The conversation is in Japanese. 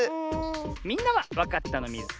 みんなはわかったのミズか？